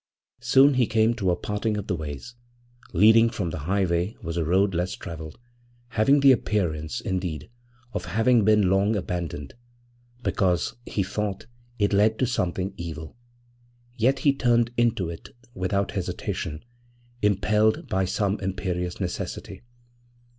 Soon he came to a parting of the ways; leading from the highway was a road less travelled, having the appearance, indeed, of having been long abandoned, because, he thought, it led to something evil; yet he turned into it without hesitation, impelled by some imperious necessity.